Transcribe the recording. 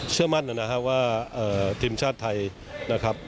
เชื่อมั่นนะครับว่าทีมชาติไทยนะครับ